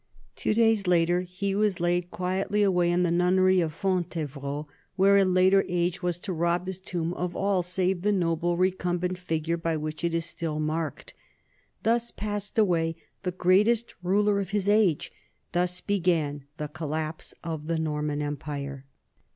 Two days later he was laid away quietly in the nunnery of Fon tevrault, where a later age was to rob his tomb of all save the noble recumbent figure by which it is still marked. Thus passed away the greatest ruler of his age; thus began the collapse of the Norman empire.